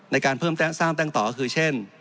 ในการเพิ่มตั้งต่อคือเช่น